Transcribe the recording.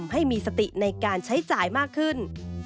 ให้มีสติในการใช้จ่ายมากขึ้น